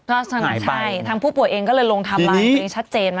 ก็สมัครใช่ทางผู้ป่วยเองก็เลยลงไทม์ไลน์ตัวเองชัดเจน